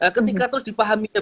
ketika terus dipahaminya